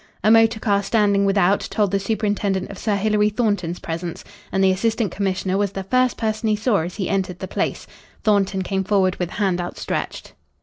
A motor car standing without told the superintendent of Sir Hilary Thornton's presence. And the Assistant Commissioner was the first person he saw as he entered the place. Thornton came forward with hand outstretched.